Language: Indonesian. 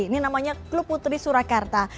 ini namanya klub putri surakarta